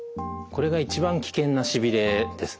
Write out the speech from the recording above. これが一番危険なしびれです。